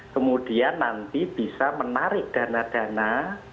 kemudian nanti bisa menarik dana dana